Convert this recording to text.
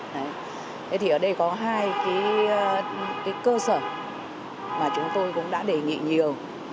thế thì ở đây có hai cái cơ sở mà chúng tôi cũng đã đề nghị nhiều